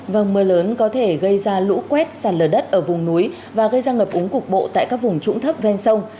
vâng mưa lớn có thể gây ra lũ quét sạt lở đất ở vùng núi và gây ra ngập úng cục bộ tại các vùng trũng thấp ven sông